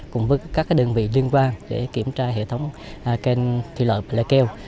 cùng với các đơn vị liên quan để kiểm tra hệ thống khen thuy lợi và lê kêu